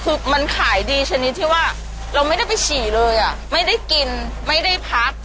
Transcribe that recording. คือมันขายดีชนิดที่ว่าเราไม่ได้ไปฉี่เลยอ่ะไม่ได้กินไม่ได้พัก